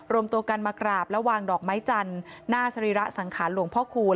รวมตัวกันมากราบและวางดอกไม้จันทร์หน้าสรีระสังขารหลวงพ่อคูณ